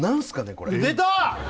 これ出たー！